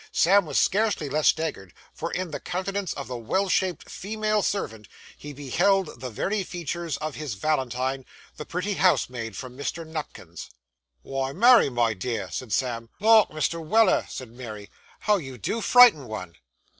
Sam was scarcely less staggered, for in the countenance of the well shaped female servant, he beheld the very features of his valentine, the pretty housemaid from Mr. Nupkins's. 'Wy, Mary, my dear!' said Sam. 'Lauk, Mr. Weller,' said Mary, 'how you do frighten one!